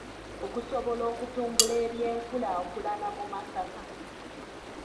Okusobola okutumbula eby’enkulaakulana mu Masaka.